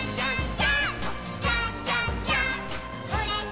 ジャンプ！！